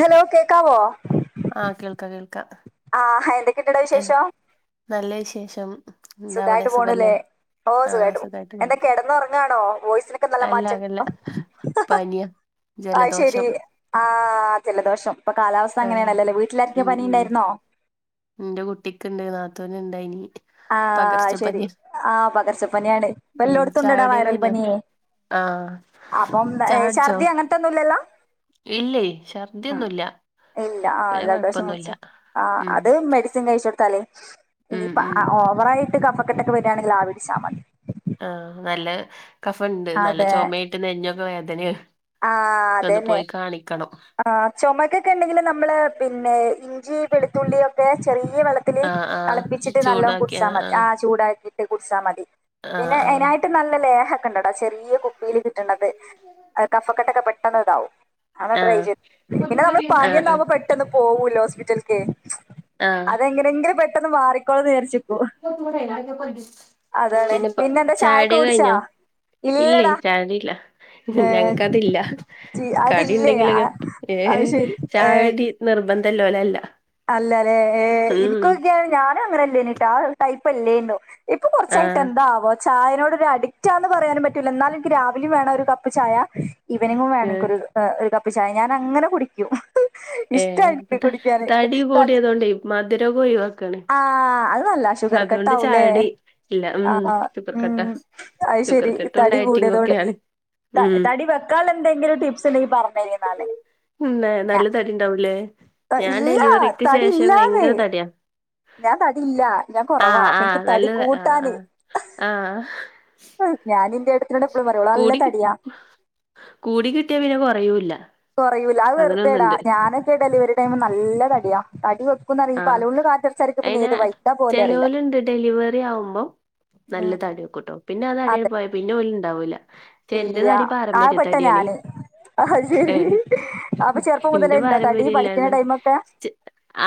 Hello കേക്കാവോ ആഹ് കേൾക്കാം കേൾക്കാം ആഹ് എന്തൊക്കെണ്ടടാ ഏഹ് വിശേഷം നല്ല വിശേഷം എന്താ അവിടെ സുഖായിട്ട് സുഖല്ലേ പോണൂല്ലേ ഓ ആഹ് സുഖായിട്ട് പോണു എന്താ സുഖായിട്ടിരിക്കുന്നു കിടന്നുറങ്ങാണോ വോയിസിനൊക്കെ നല്ല അല്ല അതല്ല മാറ്റണ്ടോ പനിയ ജലദോഷം ആഹ് ജലദോഷം ഇപ്പൊ കാലാവസ്ഥ ആഹ് അങ്ങനെയാണല്ലോല്ലേ വീട്ടിലാർക്കെ ഉം പനി ഉം ഇണ്ടായിരുന്നോ ഇന്റെ കുട്ടിക്ക് ഇണ്ട് നാത്തൂന്ണ്ടായിനി ആഹ് ശെരി ആഹ് പകർച്ചപ്പനിയാണ് ഇപ്പ ഉം എല്ലോടത്തുംണ്ട്ടാ ചായുടി വൈറൽ കഴിഞ്ഞോ പനി ആഹ് അപ്പം ഛർദി അങ്ങനത്തൊന്നുംല്ലല്ലോ ഇല്ലയ് ഛർദി ഒന്നുല്ല ഇല്ല ആഹ് ജലദോഷം പുടിച്ച് ആഹ് ഉം അത് മെഡിസിൻ കഴിച്ച്കൊടുത്താലേ ഉം ഇനീപ്പ ഉം ആയിട്ട് കഫക്കെട്ടൊക്കെ വരിയാണെങ്കിൽ ആവി പിടിച്ചാ മതി ആഹ് നല്ല കഫണ്ട് നല്ല അതെ ചൊമയായിട്ട് നെഞ്ചൊക്കെ വേദനയാണ് ഒന്ന് പോയി കാണിക്കണം ആഹ് ചൊമക്കൊക്കെ ഇണ്ടെങ്കിൽ നമ്മള് പിന്നെ ഇഞ്ചി വെളുത്തുള്ളി ഒക്കെ ചെറിയ വെള്ളത് ത്തില് ആഹ് ആഹ് തളപ്പിച്ചിട്ട് നല്ലോം ചൂടാക്കി കുടിച്ചാ മതി ആഹ് ചൂടാക്കി തേ കുട്ച്ചാ മതി. ആഹ് പിന്നെ ആഹ് അയ്നായിട്ട് നല്ല ലേഹക്കെ ഇണ്ടടാ ചെറീയ കുപ്പീല് കിട്ട്ണത് അത് കഫക്കെട്ടൊക്കെ പെട്ടെന്ന് ഇതാവും അതൊന്ന് ട്രൈ ചെയ്ത് പിന്നെ നമ്മള് ആഹ് പനിയൊന്നാവ്മ്പൊ പെ ട്ടെന്ന് പോവൂല്ലോ ഹോസ്പിറ്റൽക്ക് ആഹ് അതെങ്ങനെങ്കിലും പെട്ടെന്ന് മാറിക്കോളുന്ന് വിചാര്ച്ച് അതാണ് പിന്നെപ്പ പിന്നെ എന്താ ചായൊക്കെ ചായുടി ഒക്കെ കുടിച്ചാ? കഴിഞ്ഞോ ഇല്ലേ ഇല്ലടാ ചായുടില്ല ഏഹ് ഞങ്ങക്കതില്ല ചി കടി അതില്ലേ ഇണ്ടെങ്കിലൊക്കെ ആഹ് അത് ഏഹ് ശരി ചായുടി നിർബന്ധല്ലോലല്ല. അല്ലലേ ഏഹ് ഉം ഇൻക്കോക്കിയാ ഞാനും അങ്ങനെല്ലേനിട്ടാ ആഹ് ടൈപ്പല്ലേന്നു. ഇപ്പൊ കൊർച്ചായിട്ട് ആഹ് എന്താവോ. ചായനോട് ഒരു അഡിക്റ്റാന്ന് പറയാനും പറ്റൂല. ന്നാലും ഇൻക്ക് രാവിലിം വേണം ഒരു കപ്പ് ചായ. ഇവനിങ്ങും വേണം ഏഹ് ൻക്കൊരു ഒരു കപ്പ് ചായ ഞാൻ അങ്ങനെ കുടിക്കും ഇഷ്ട ഏഹ് ഇൻക്ക് ഇപ്പ കുടിക്കാന്. തടി കടി കൂടിയതോണ്ടേ മധുരൊക്കെ ഒയ്വാക്കാണ് ആഹ് അത് നല്ലാ ഷുഗർ കട്ട് ആവുംലേ ഇല്ല ഉം ആഹ് ഷുഗർ കട്ടാ ഉം അയ് ഷുഗർ ശരി. കട്ടും തടി ഡയറ്റിംഗ് കൂടിയതോട് ഒക്കെയാണ് ഉം തടി തടി വെക്കാള്ള എന്തെങ്കിലും ടിപ്സ് ഇണ്ടെങ്കി പറഞ്ഞെരിന്നാല്. ഉം നല്ല തടി ഇണ്ടാവൂലേ ഞാൻ ഇല്ല ഡെലിവറിക്ക് തടി ശേഷം ഇല്ലാന്ന് വയങ്കര തടിയാ. ഞാൻ തടില്ല ഞാൻ കൊറവാ ആഹ് അപ്പ ആഹ് ഇൻക്ക് തടി നല്ലത് ആഹ് കൂട്ടാന്. ആഹ് ആഹ്. അത് ഞാന് ന്റെ കൂടി കൂടി കിട്ടിയാ പിന്നെ കൊറയൂല്ല. കൊറയൂല അത് വെർതേടാ. അങ്ങനൊന്നുണ്ട് ഞാനൊക്കെ ഡെലിവറി ടൈം നല്ല തടിയാ തടി വെ ആഹ് അയിന് പോലെ അറിയില്ല ചെലോലുണ്ട് ഡെലിവറി ആവ്മ്പം നല്ല ഉം തടി വെക്കുട്ടോ. പിന്നെ അ അതെ തടിയാണ്ട് പോയ പിന്നെ ഓല് ഇണ്ടാവൂല. ചെന്റെ ഇല്ല തടി ആ പാരമ്പര്യ പെട്ട തടിയാണെയ്. ഞാന് അത് ശരി ഏഹ് അപ്പൊ ചെറുപ്പം മുതലേ ഇന്റെ ഉണ്ടോ തടി പാരമ്പര്യ പഠിക്കുന്ന ഇല്ലാന്ന് ടൈമൊക്കെ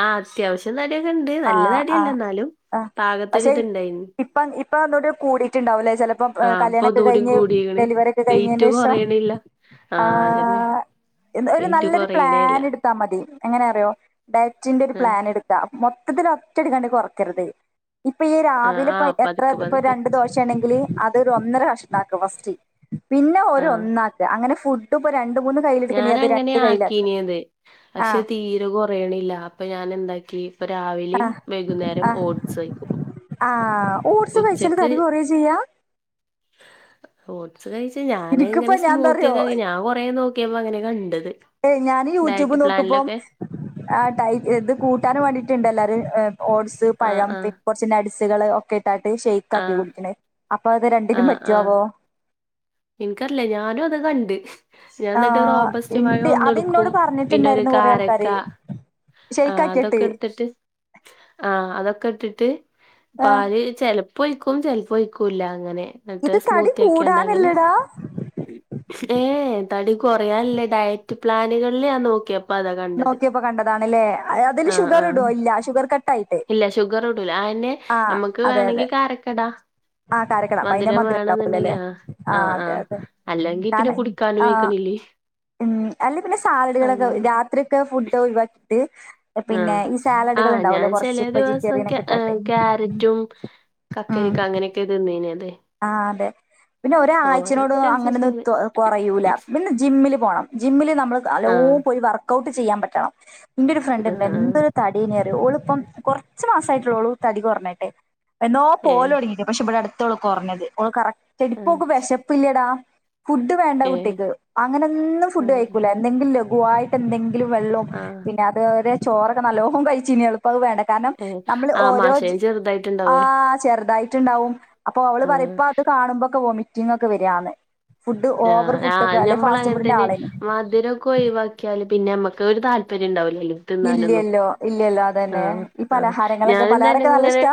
ആഹ് അത്യാവശ്യം തടിയൊക്കെ ഇണ്ട് നല്ല തടിയല്ല ന്നാലും ആഹ് പക്ഷെ ഇ പാകത്തൊരിത്ണ്ടായിന് ഇപ്പം ഇപ്പ ഒന്നൂടി കൂടിട്ടുണ്ടാവുലേ ചെലപ്പം ആഹ് ഇപ്പൊ കല്യാണൊക്കെ ഒന്നൂടി കഴിഞ്ഞ് കൂടീക്ക്ണ് ഡെലിവറി ഒക്കെ വെയിറ്റ് കഴിഞ്ഞേന്റെഷം കൊറയ്ണില്ല ആഹ് ഒരു വെയിറ്റ് നല്ലൊരു കൊറയ്ണേല്ല പ്ലാൻ ഇട്ത്താ മതി എങ്ങനെ അറിയോ ഡയറ്റിന്റെ ഒരു ആഹ് പ്ലാൻ ഇട് ക്ക മൊത്തത്തില് ഒറ്റടിക്കാണ്ട് കൊർക്കര്ത്. ഇപ്പൊ ഈ രാവിലെ ഇപ്പൊ ആഹ് എത്ര പതുക്കെ പ്പ പതുക്കെ രണ്ടു ദോ ശാണെങ്കില് അതൊരു ഒന്നര കഷ്ണാക്ക്‌ ഫസ്റ്റ് പിന്നെ ഒരു ആഹ് ഒന്ന അങ്ങനെ ഫുഡ് ഇപ്പൊ രണ്ട് മൂന്ന് കയ്യിലെടുക്കണെങ്കി ഞാന് അത് അങ്ങനെയ രണ്ട് കയ്യിലാക്ക ആക്കീനത് പക്ഷെ ആഹ് തീരെ കൊ യ്ണില്ല അപ്പൊ ഞാൻ എന്താക്കി ഇപ്പ രാവിലിം വൈകുന്നേരം ആഹ് ഓട്സ് കൈക്കും. ആഹ് ഓട്സ് കഴിച്ചല് തടി കൊറയ ചെയ്യാ. ഓട്സ് കഴിച്ച ഞാന് എനിക്കിപ്പോ ഇങ്ങനെ ഞാൻ സ്മൂത്തിയക്കെ എന്താറിയോ ആഹ് ഞാൻ കൊറെ നോ ക്കിയെപ്പ അങ്ങനെ കണ്ടത്. ഏഹ് ഞാന് യൂട്യൂബ് ഡയറ്റ് നോക്കുമ്പം പ്ലാനിലൊക്കെ ആഹ് ടൈ ഇത് കൂട്ടാനും വേണ്ടിട്ട്ണ്ട്ല്ലാരും ഓട്സ്, ആഹ് പഴം പി ആഹ് കൊ ച്ച് നട്സ്കള് ഒക്കെ ഇട്ടാട്ട് ഷെയ്ക്ക് ആക്കി ആഹ് കുടിക്ക്‌ണേ. അപ്പൊ അത് രണ്ടിനും പറ്റോവോ ഇൻക്കറില്ല ഞാനും അത് കണ്ട് ഞാൻ ആ ന്നട്ട് റോബസ്റ്റ് പഴം ഇണ്ട് അത് ഒന്നട്ക്കും ഇന്നോട് പിന്നെ ഒരു പറഞ്ഞിട്ടുണ്ടായിരുന്നു കൊറേ കാരക്ക. ആൾക്കാര് ഷെയ്ക്ക് ആഹ് ആക്കിയിട്ട് അതൊക്കെ ഇട്ത്തിട്ട് ആഹ് അതൊക്കെ ഇട്ടിട്ട് ആ പാല് ചെല പ്പൊ ഒയിക്കും ചെൽപ്പൊ ഒഴിക്കൂല്ല. അങ്ങനെ ന്നട്ട് ഇത് തടി സ്മൂത്തിയാക്കിയാണ്ട് അങ്ങനെ കൂടാനല്ലടാ ഏഹ് തടി കൊറയാൻല്ലേ ഡയറ്റ് പ്ലാനുകൾല് ഞാൻ നോക്കിയപ്പ അതാ കണ്ടത് നോക്കിയപ്പോ കണ്ടതാണല്ലേ അതില് ഷുഗർ ഇടോ ഇല്ല ഷുഗർ കട്ട് ആയിട്ട് ഷുഗർടൂല അയന്നെ. നമുക്ക് അതെ വേണമെങ്കി അതെ കാരക്കടാ ആ കാരക്കട അപ്പൊ അതിന്റെ മധുരം ഉണ്ടാവൂലല്ലേ വേണെന്നുണ്ടെങ്കിൽ ആഹ്. ആ ആഹ് അതെ ആഹ് അതെ അല്ലെങ്കി പിന്നെ കാരണം കുടിക്കാനും ആ വക്കണില്ലേ. ഉം അല്ലപിന്നെ സാലഡുകളൊക്കെ രാത്രിയൊക്കെ ഫുഡ്ഡ് ഒഴിവാക്കിട്ട് പിന്നെ ആഹ് ഈ സാലഡുകൾ ആഹ് ഉണ്ടാവല്ലേ ഞാൻ ചെലെ കൊറച്ച് ദിവസം ക്യാ വെജിറ്റേറിയനക്കെ ഇട്ടാണ്ട്. ക്യാരറ്റും കക്കരിക്ക അങ്ങനെയൊക്കെ തീന്നിന്നത് ആഹ് അതെ. പിന്നെ ഒരാഴ്ചനോട് അങ്ങനെന്നും അങ്ങനെ കുറയൂല പിന്നെ ജിമ്മില് പോണം ജിമ്മില് നമ്മള് അലോ ആഹ് വർക്ക്ഔട്ട് ചെയ്യാൻ പറ്റണം ന്റൊരു ഫ്രണ്ട്‌ണ്ട് ആഹ് ആഹ് എന്തൊരു തടി എനി അറിയോ ഓള് ഇപ്പം കൊറച്ച് മാസമായിട്ടുളൂ ഓള് തടി കുറഞ്ഞട്ടെ എന്നോ ഏഹ് പോവല് തുടങ്ങിയിട്ട് പക്ഷേ ഇവിടെ അടുത്ത അവള് കുറഞ്ഞത് ഓള് കറക്റ്റായിട്ട് ഇപ്പോ ആഹ് അവൾക്ക് വിശപ്പില്ലേടാ- ഫുഡ് വേണ്ട ഏഹ് കുട്ടിക്ക് അങ്ങനൊന്നും ഫുഡ് ആഹ് കഴിക്കൂല്ല എന്തെങ്കിലും ലഘുവായിട്ട് എന്തെങ്കിലും വെള്ളോ- ആഹ.. പിന്നെ അത് വരെ ചോറൊക്കെ നല്ലോം കഴിച്ചന് ഇപ്പോ വേണ്ട. കാരണം ഏഹ് നമ്മള് ആഹ് ഓരോ മാഷേ ചെറുതായിട്ടുണ്ടാവേ ആഹാ ചെറുതായിട്ടുണ്ടാവും. അപ്പോ അവള് പറയും ആഹ് ഇപ്പോ അത് കാണുമ്പോക്കെ വോമിറ്റിംഗ് ഒക്കെ വരുവന്ന്. ഫുഡ് ഓവർ ഫുഡ് ഒക്കെ അല്ലെ ഫാസ്റ്റ് ഫുഡിന്റെ ആളനി. മധുരം- ഒഴിവാക്കിയാല് പിന്നെ നമ്മുക്ക് ഒരു താല്പര്യം ഉണ്ടാവില്ലോ. തിന്നാൻ ഒന്നും ഇല്ലല്ലോ ഇല്ലല്ലോ അതന്നെ ആഹ ഈ ആ പലഹാരങ്ങളൊക്കെ ഞാന്‌ തന്നെ പലഹാരൊക്കെ നല്ല ഇഷ്ടാ ഇങ്ങനെ-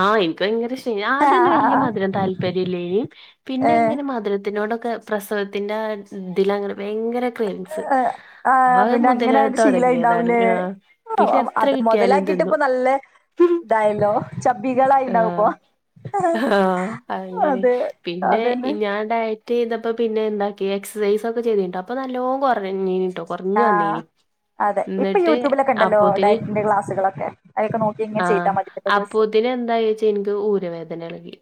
ആഹ് എനിക്ക് ഭയങ്കര ഇഷ്നി ആദ്യമൊന്നും വലിയ ആഹ് മധുരം താല്പര്യമില്ലനും പിന്നെ ഏഹ് എങ്ങനെ മധു- മധുരത്തിനോടൊക്കെ പ്രസവത്തിന്റെ ഇതില് അങ്ങനെ ഭയങ്കര- ക്രാവിങ്സ് ഏഹ് ആഹ് ആ പിന്നെ മുതല അങ്ങനായിട്ട് ശീലായി തുടങ്ങിയതാണ് ഉണ്ടാവൂലേ ആ ആ, പിന്നെ- എത്ര അത് കിട്ടിയാലും മുതലാക്കിട്ട് തിന്നും ഇപ്പോ നല്ല ഇതായല്ലോ ചപ്പിഗേളായി ഉണ്ടാവും ഇപ്പൊ ആഹ അത് തന്നെയാണ് അതെ പിന്നെ അതന്നെ ഈ ഞാൻ- ഡയറ്റ് ചെയ്തപ്പോ പിന്നെ എന്താക്കി എക്സസൈസ് ഒക്കെ ചെയ്തിട്ടോ അപ്പോ നല്ലോ കുറഞ്ഞിട്ടോ- ആഹ് കുറഞ്ഞുവന്നിനി - അതെ ഇപ്പോ യൂടൂബിലോക്കെ ഉണ്ടല്ലോ ഡയറ്റിന്റെ ക്ലാസുകളൊക്കെ അതൊക്കെ നോക്കി ഇങ്ങനെ ചെയ്താ മതി. ഇപ്പ ദിവസം അപ്പോതിന് എന്തായി വച്ചാ എനിക്ക് ഊരവേദന ഇളകി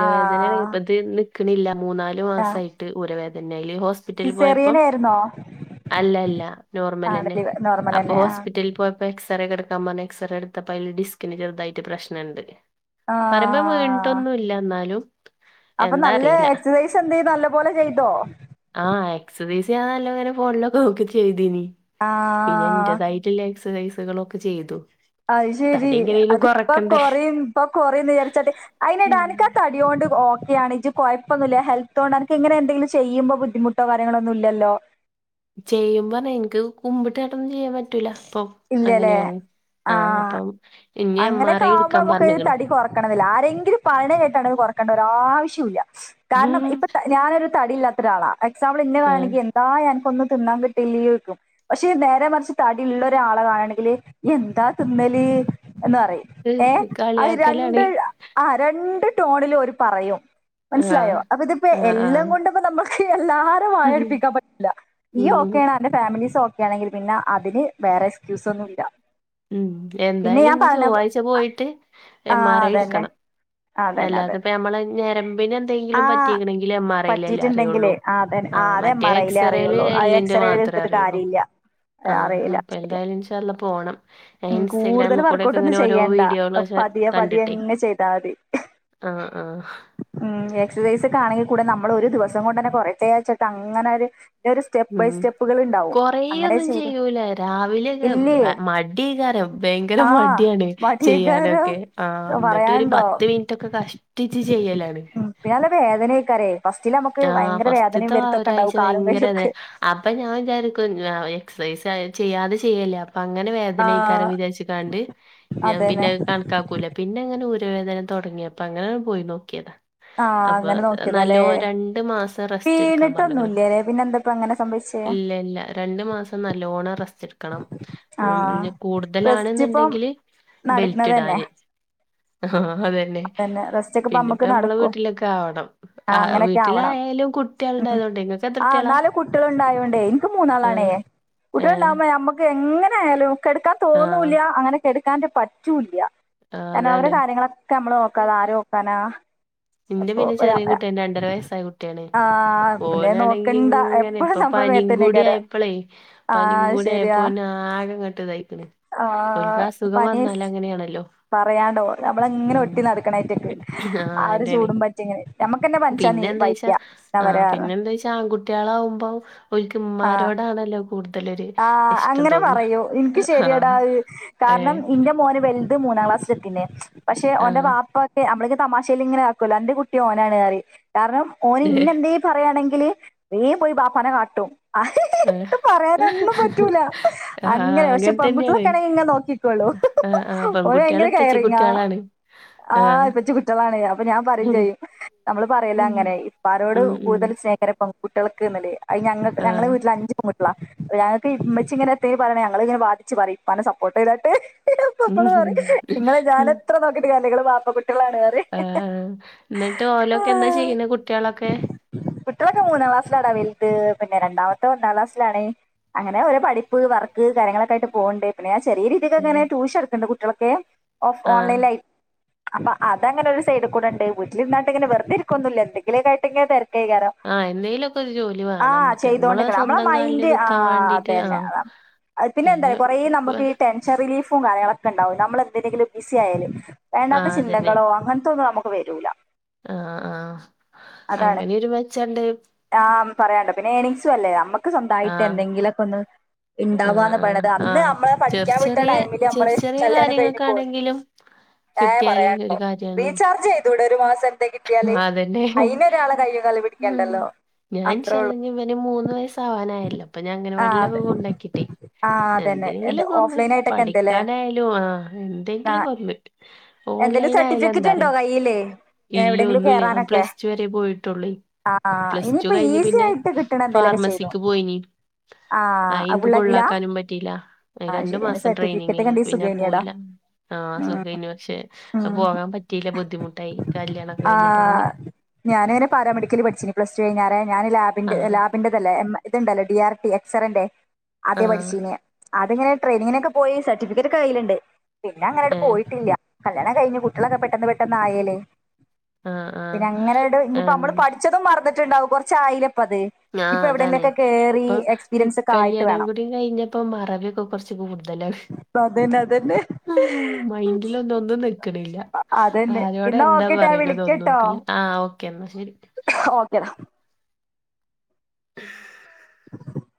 ആഹ് [unintelligible] കിണില്ല മൂന്നാല് ആഹ് മാസമായിട്ട് ഊരവേദനയാ അയിൽ ഹോസ്- ഹോസ്പിറ്റലിൽ പോയപ്പോ സിസേറിയൻ ആയിരുന്നോ അല്ല അല്ല നോർമൽ ആഹ് തന്നെ ഡെലിവ നോർമൽ അപ്പോ തന്നെ ആഹ് ഹോസ്പിറ്റലിൽ പോയപ്പോ- അപ്പൊ എക്സറെ ഒക്കെ എടുക്കാൻ പറഞ്ഞ് എക്സറെ എടുത്തപ്പോ അതില് ഡിസ്കിന് ചെറിതായിട്ട് പ്രശ്നുണ്ട്. പറയുമ്പോ വീണിട്ട് ആഹ് ഒന്നുല്ല എന്നാലും- അപ്പോ എന്താ നല്ല അറിയില്ല. എക്സസൈസ് എന്തേ നല്ലപോലെ ചെയ്തോ? ആഹ എക്സസൈസ് നല്ലോ ഇങ്ങനെ ഫോണിലൊക്കെ നോക്കി ചെയ്തിനി പിന്നെ ആഹ് എന്റേതായി- യിട്ടുള്ള എക്സസൈസുകളൊക്കെ ചെയ്തു. അയ് ശരി തടി എങ്ങനേലും അതിപ്പോ കൊറക്കണ്ടേ. കുറയും ഇപ്പോ കുറയുമെന്ന് വിചാരിച്ച് ഉം അതിനിടാന- തടികൊണ്ട് ഓക്കെയാണ് ഇജ്ജ്‌ കുഴപ്പൊന്നുമല്ല ഹെൽത്തോ കൊണ്ട് എനിക്ക് ഇങ്ങനെ എന്തെങ്കിലും ചെയ്യുമോ ബുദ്ധിമുട്ടോാര്യങ്ങളൊന്നും ഇല്ലല്ലോ. ചെയ്യുമ്പോ പറഞ്ഞ എനിക്ക് കുമ്പിട്ട് കേട്ടൊന്നും ചെയ്യാൻ പറ്റൂല്ല ഇപ്പോ- ഇല്ലല്ലേ അങ്ങനെയാണ് ആഹ അപ്പോ ആഹ് ഇനി എംർഐ എടുക്കാൻ പറഞ്ഞക്കണ്. നോക്കണമെന്നില്ല ആരെങ്കിലും പറയണ കേട്ട് കുറയ്ക്കണ്ടേ ഒരു ആവശ്യമില്ല കാരണം ആഹ് ഇപ്പോ- ഞാനൊരു തടിയില്ലാത്തെ ഒരാളാ എക്സാമ്പിൾ എന്നെ വേണെങ്കിൽ - അതാ നിനക്കൊന്നും തിന്നാൻ കിട്ടിയില്ല എന്ന് ചോദിക്കും നേരെ മറിച്ച് തടിയുള്ള - ഒരാളെ ആളെ കാണണെങ്കില് ഇയ്യ് എന്താ തിന്നല് എന്നു പറയും. ഹ് ഏഹ് അത് രണ്ട്- കളിയാക്കലാണ്. ആഹ് രണ്ട് ടോണിലും അവര് പറയും ആഹ് മനസ്സിലായോ അപ്പ ഇതിപ്പോ ആഹ് എല്ലാം ആഹ് കൊണ്ടപ്പോ നമ്മ ക്കെല്ലാവരുടെയും വായ അടുപ്പിക്കാൻ പറ്റില്ല നീ ഉം ഒക്കെയാണ് അന്റെ ഫാമിലീസ് ഒക്കെ ആണെങ്കിൽ പിന്നെ അതിന്- വേറെ എക്സ്ക്യൂസ് ഒന്നുല്ല. ഉം എന്തായാലും ഇനി ചൊവ്വാഴ്ച പോയിട്ട് ആ എംആർഐ അതന്നെ എടുക്കണം. അതന്നെ അല്ലാതെ അതെ ഇപ്പോ നമ്മളെ ഞരമ്പില് ആ എന്തെങ്കിലും പറ്റിയിക്കണെങ്കിൽ എം ആർ ഐയിൽ അല്ലേ അറിയുള്ളൂ. ആഹ് അതെന്നെ ആഹ് അത് എം മറ്റേ ആർ ഐയിലെ എക്സറേയില് അറിയുള്ളൂ അത് എല്ലിന്റെ എക്സറേ മാത്രേ എടുത്തിട്ട് അറിയുള്ളൂ കാര്യല്ല ആഹ് അറിയില്ല. എന്തായാലും ഇൻഷാ അള്ളാ പോണം. ഏ ഉം കൂടുതൽ ഇൻസ്റ്റഗ്രാമിൽ കൂടൊക്കെ വർക്കൗട്ട് ഒന്നും ഇങ്ങനെ ഓരോ ചെയ്യണ്ട വീഡിയോകള് അഹ് പതിയെ പതിയെ കണ്ടിട്ടേ- അങ്ങ് ചെയ്താൽ മതി ആഹ് ആഹ് ഉം എക്സർസൈസ് ഒക്കെ ആണെങ്കിൽ കൂടെ നമ്മള് ഒരു ദിവസം കൊണ്ട് തന്നെ കുറയട്ടെ എന്ന് വിചാരിച്ചിട്ട് അങ്ങനെ ഒരു- ഒരു സ്റ്റെപ്പ് ബൈ ഉം സ്റ്റെപ്പുകൾ ഉണ്ടാവും അങ്ങനെ കൊറേയൊന്നും ചെയ്ത്. ചെയ്യൂല ഇല്ലേ രാവിലെയൊക്കെ മടികാരം ഭയങ്കര ആ മടിയാണ്. മടിയക്കാരോ ചെയ്യാനൊക്കെ ആഹ് എന്നിട്ട് ഒരു പറയാനുണ്ടോ പത്ത് മിനിറ്റൊക്കെ കഷ്ടിച്ച് ചെയ്യലാണ്. ഉം പിന്നെ നല്ല വേദനൊക്കാരേ ഫസ്റ്റില് നമുക്ക് ആഹ് ഭയങ്കര വേദനയും വരുത്തൊക്കെ ഉണ്ടാവും കാലും കൈയൊക്കെ- അപ്പോ ഞാൻ വിചാരിക്കും എക്സസൈസ് ചെയ്യാതെ ചെയ്യല്ലേ- അപ്പൊ അങ്ങനെ ആ വേദനഅയ്ക്കാരം വിചാരിച്ച് കാണ്ട് ഞാൻ അതന്നെ പിന്നെ കാണ ക്കാക്കൂല പിന്നെങ്ങനെ ഊരുവേദന തുടങ്ങിയപ്പൊ അങ്ങനെ പോയി നോക്കിയതാ ആഹ് അപ്പ അങ്ങനെ നോക്കിയതാല്ലേ നല്ലോ രണ്ട്മാസം റസ്റ്റ് എടുക്കാൻ പറഞ്ഞ്ക്ണ് വീണിട്ടൊന്നുല്ല്യല്ലേ പിന്നെ എന്താപ്പ അങ്ങനെ സംഭവിച്ചേ ഇല്ലല്ല രണ്ട് മാസം നല്ലോണം റസ്റ്റ് എട് ക്കണം ഉം ആഹ് ഇനി റെസ്റ്റ് ഇപ്പം കൂടുതലാണെന്നുണ്ടെങ്കില് ബെൽറ്റ് നടക്കണതന്നെ ഇടാന് ആഹ് അതന്നെ പിന്നെ റസ്റ്റൊക്കെ പ്പ പിന്നെപ്പ അമ്മക്ക് നമ്മളെ നടക്കുവോ വീട്ടിലൊക്കെ ആവണം ആഹ് അങ്ങനക്കെ ആവണം വീട്ടിലായാലും ഉം കുട്ടികളുണ്ടായതോണ്ടേ ഇങ്ങക്ക് എത്ര ആഹ് കുട്ടികളാ നാല് കുട്ടികളൊണ്ടായോണ്ടേ എനിക്ക് ആഹ് മൂന്നാളാണേ ഏഹ് കുട്ടികളുണ്ടാമ്മ അമ്മുക്ക് എങ്ങനെ ആയാലും കെടക്കാൻ ആഹ് തോന്നൂല്ല്യ അങ്ങനെ കെടക്കാന്റ് പറ്റൂല്ല്യ ആഹ് കാരണം അവടെ അതാണ് കാര്യങ്ങളൊക്കെ നമ്മള് നോക്കാതെ ആര് നോക്കാനാ ഇന്റെ അപ്പൊ പിന്നെ ഒരാ ചെറിയ കുട്ടിയ രണ്ടര വയസ്സായ കുട്ടിയാണ് ആഹ് പിന്നെ ഓനാണെങ്കി നോക്കണ്ട ഇങ്ങ നെ എപ്പഴും ഇപ്പ നമ്മളെ പനിയും കൂടി മേത്തന്നേക്കാരം ആയപ്പളെ പനിം ആഹ് കൂടി ശരിയാ ആയപ്പോ ഓന് ആകെ ങ്ങട്ട്തായിക്കണ് ആഹ് ഓൽക്കസുഖം പനി വന്നാലങ്ങനെയാണല്ലോ പറയാണ്ടോ നമ്മളങ്ങനെ ഒട്ടിക്കണായിട്ടൊക്ക്‌ ആഹ് അതന്നെ ചൂടും പറ്റി ഇങ്ങനെ നമുക്ക്ന്നെ പനിച്ചാനെ വയ്യ അവരാ എന്തയ്ച്ച ആൺകുട്ടികളാവകുമ്പോ ഒരിക്ക്‌ ആഹ് മ്മാമാരോടാണല്ലോ കൂടുതലൊരു ആഹ് ഇഷ്ടം അങ്ങനെ തോന്ന പറയു ഇനിക്ക് ശരിയടാ ആഹ് കാരണം ഏഹ് ഇന്റെ മോന് വെൽ മൂന്നാം ക്ലാസ് ക്ക്‌ണ് പക്ഷെ ഒന്റെ ആഹ് വാപ്പ നമ്മളക്ക് തമാശേയിലൽ ഇങ്ങനെ ആക്കല്ലോ എന്റെ കുട്ടി ഓനാണ് പറയും കാരണം ഓന ഏഹ് ഇന്നെന്തേ പറയാണെങ്കിൽ വേം പോയി ബാപ്പനെ കാട്ടും ആഹ് പറയാ ഒന്നും പറ്റൂല ആഹ് അങ്ങനെ പക്ഷെ അങ്ങൻ തന്നെയാണ് പെൺകുട്ടിളൊക്കെണങ്കിലിങ്ങനെ നോക്കിനിക്കോള്ളു ആഹ്, ആഹ് ഓന് പെൺകുട്ടികള് എങ്ങനെ കയറിങ്ങാ ഇപ്പച്ചിക്കുട്ടികളാണ്. ആഹ് ഇപ്ച്ച് കുച്ചളാണെ അപ്പൊ ഞാൻ പറയും ചെയ്യും നമ്മള് പറയില അങ്ങനെ ഉം. ഇപ്പാരോട് ഉം, ഉം. കൂടുതൽ സ്നേ പെൺകട്ടികൾക്ക്ന്നല്ലേ ഞങ്ങ ഞങ്ങളെ ആഹ്. വീട്ടില് അഞ്ച് പെൺകുട്ടളാ ഞങ്ങക്ക് ഇമ്മച്ചിഇങ്ങനെ എത്തങ്കില്ല പറയ ഞങ്ങിങ്ങെനെ വാദിച്ചു പറയും ഇപ്പന്നെ സപ്പോർട്ട് ചെയ്തിട്ട് പ്പള് പറയും ഇങ്ങളെ ഞാനെത്ര നോക്കിട്ട് കാര്യല്ല നിങ്ങള് വാപ്പ കുട്ടികളാണ് പറയും ആഹ് എന്നിട്ട് ഓലോക്കെ എന്താ ചെയ്യുന്നെ കുട്ടികളൊക്കെ കുട്ടികളൊക്കെ മൂന്നാം ക്ലാസ്സിലാടാ വലുത് പിന്നെ രണ്ടാമത്തെ ഒന്നാം ക്ലാസ്സിലാണേ അങ്ങനെ ഓര പടിപ്പ് വർക്ക് കാര്യങ്ങളൊക്കെയിട്ട് പോകണ്ടേ പിന്നെ ചെറിയ രീതിക്ക ഉം. അങ്ങനെ ട്യൂഷൻ എടുക്കണ്ട് കുട്ടികൾക്കെ ഓ ആഹ്. ഓൺലൈനയി് അപ്പൊ അതങ്ങനെ ഒരു സൈഡ് കൂടെണ്ട് വട്ടിലിരുന്നട്ട്ങ്ങനെ വെറുെതെ ഇരിക്കൊന്നുല്ല എന്തങ്കിലുക്കയിട്ടെങ്കിൽ തിരക്കായികാരം ആഹ് എന്തേലൊക്കെ ഒരു ജോലി വേണംക്ക് നമ്മള സ്വന്തം കാലിൽ ആഹ് അതെന്നെ അതാ പിന്നെ എന്താ കൊറ നമ്മക്ക്ട്ട ടെൻഷൻ റിലീഫും കാര്യങ്ങളൊക്കെ ഉണ്ടാവും നമ്മൾ എന്തിലെങ്കിലും ബിസി ആയാലും വേണ്ടാത്ത ആഹ് അതന്നെ. ചിന്തകളോ അങ്ങനത്തെന്നും നമുക്ക് വരൂല്ല ആഹ് ആഹ് അതാണ് അങ്ങനെയൊരു മെച്ചണ്ട്. ആഹ് പറയണ്ട പിന്നെ എനിംഗ്സും അല്ലേ നമുക്ക് സ്വന്തമായിട്ട് ആഹ്, എന്തെങ്കിലോക്കെ ഒന്ന് ആഹ്, ഉണ്ടാവന്ന് ആഹ്, പറയത് അന്ന് ആഹ്. നമ്മളെ ചെറ് പഠിക്കാൻ വിട്ട ചെറിയ ടൈമില് നമ്മള് ചെറ് ചെറിയ കല്യാണം കഴിഞ് പോന്നു കാര്യങ്ങൾക്കാണെങ്കിലും ഏഹ് കിട്ടിയാല് പറയാണ്ടൊ ഒരു കാര്യാണല്ലോ. റീചാർജ് ചെയ്തുട ഒരു മാസം ആഹ് അതന്നെ കാലും ഉം പിടിക്കണ്ടല്ലോ ഞാൻ ഇൻഷ അത്രേ അള്ള ഉള്ളൂ ഇവന മൂന്ന് വയസ് സാവാനായല്ല അപ്പൊ ഞാൻങ്ങന ആ വടിലൊക്ക അതെ കൊണ്ടാക്കിട്ടെ ആ അതന്നെ എന്ത് എന്തെങ്കിലും ഒകൊന്നു ഓഫ്ലൈൻ ആയിട്ടൊക്കെ എന്തല്ലേ പഠിക്കാനായാലും ആഹ് ആ എന്തെങ്കിലും ഒകൊന്നു എന്തേലും ഓൺലൈൻ സർട്ടിഫിക്കറ്റ് ഉണ്ടോ ആയാലന്തറിയൊ കയ്യില് ഇല്ല എവിടെയെങ്കിലും ഒന്നുല്ല ഞാൻ കേറാനൊക്കെ പ്ലസ് ടു വരെ പോയിട്ടുള്ളൂ ആ പ്ലസ് ടു ഇനിയിപ്പോ കഴിഞ്ഞ ഈസി പിന്നെ ആയിട്ട് കിട്ടണ എന്തേലൊക്കെ ചെയ്തോ ഫാർമസിക്ക് പോയിനി ആ ആ അയിൻക്ക് പുള്ളാക്കിലാ പുള്ളാക്കാനും പറ്റിയില്ല ആ രണ്ടു ശരി അതിന് മാസം ട്രെയിനിങ് സർട്ടിഫിക്കറ്റ് ഒക്കെ എയ്നി ഉണ്ടെങ്കി പിന്നെ സുഖേനേടാ പോയില്ല ആഹ് ഉം സുഖയ്നി പക്ഷെ ആഹ് പോകാൻ പറ്റിയില്ല ബുദ്ധിമുട്ടായി കല്യാണൊക്കെ കഴിഞ്ഞപ്പോ അങ്ങനെ ആഹ് ഞാനിങ്ങനെ പാരാമെഡിക്കല് പഠ്ച്ചീനി പ്ലസ് ടു കഴിഞ്ഞാരെ ഞാന് ആ ലാബിൻ്റെ ലാബ് ൻ്റതല്ലേ ഇത്ണ്ടല്ലോ ഡി ആർ ടി എക്സറന്റെ ആ ആദേ പഠ്ച്ചീനിയെ അത്ങ്ങനെ ട്രെയിനിങ്ങിനൊക്കെ പോയി സർട്ടിഫിക്കറ്റൊക്കെ കയ്യില്ണ്ട് പിന്നെ അങ്ങനാണ്ട് ഏ പോയിട്ടില്ല കല്യാണം കഴിഞ്ഞ് കുട്ട്യാളൊക്കെ പെട്ടന്ന് പെട്ടന്ന് ആയേലെ ആ ആ പിന്നെ അങ്ങനേട് ഇഞ്ഞിപ്പോ ഉം. നമ്മള് പഠ്ച്ചതും മറന്നിട്ടുണ്ടാവും കൊറച്ചായിലപ്പത് ആഹ് അതാണ് ഇപ്പൊ എക്സ്പീരിയൻസ് ഒക്കെ ആയിട്ട് കല്യാണം വേണം കൂടി കഴിഞ്ഞപ്പോ മറവി ഒക്കെ കൊർച്ച് കൂട്തലാണ് അതന്നെ അതന്നെ മൈൻ്റിലൊന്നും ഒന്നും നിക്ക്ണില്ല അതന്നെ ആരോടാ എന്നാ എന്താ ഓക്കെട്ടോ ഞാൻ പറയ്ണൊന്നും വിളിക്കട്ടോ ഓക്കല്ലേ ആഹ് ഓക്കെ എന്നാ ശെരി ഓക്കേടാ